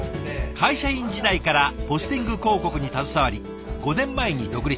会社員時代からポスティング広告に携わり５年前に独立。